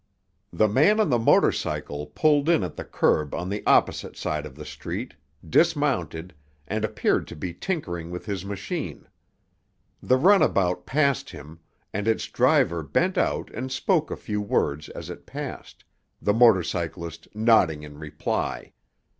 The man on the motor cycle pulled in at the curb on the opposite side of the street, dismounted, and appeared to be tinkering with his machine. The runabout passed him, and its driver bent out and spoke a few words as it passed, the motor cyclist nodding in reply.